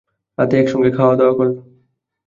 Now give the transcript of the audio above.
রাতে একসঙ্গে খাওয়া দাওয়া করলাম।